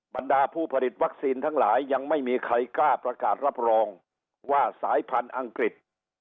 บรรดาผู้ผลิตวัคซีนทั้งหลายยังไม่มีใครกล้าประกาศรับรองว่าสายพันธุ์อังกฤษ